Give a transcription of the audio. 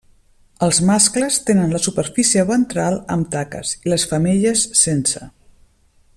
Els mascles tenen la superfície ventral amb taques i les femelles sense.